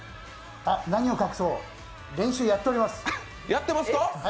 何を隠そう、練習やっております。